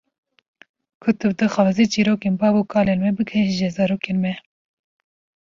Ku tu dixwazî çirokên bav û kalên me bigihîje zarokên me.